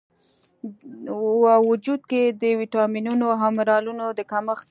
و وجود کې د ویټامینونو او منرالونو د کمښت